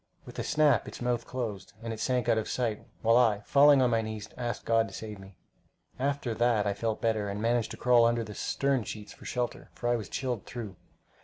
With a snap its mouth closed, and it sank out of sight, while I, falling on my knees, asked God to save me. After that I felt better, and managed to crawl under the stem sheets for shelter, for I was chilled through.